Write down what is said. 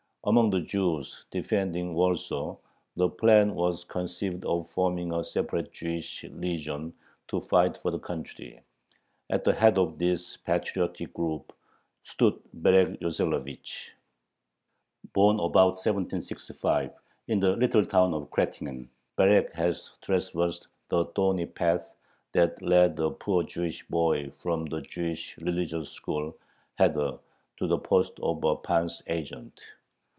Among the Jews defending Warsaw the plan was conceived of forming a separate Jewish legion to fight for the country. At the head of this patriotic group stood Berek Yoselovich. Born about 1765 in the little town of Kretingen, Berek had traversed the thorny path that led a poor Jewish boy from the Jewish religious school (heder) to the post of a pan's agent.